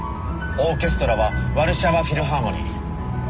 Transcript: オーケストラはワルシャワ・フィルハーモニー。